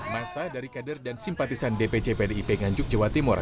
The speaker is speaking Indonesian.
masa dari kader dan simpatisan dpc pdip nganjuk jawa timur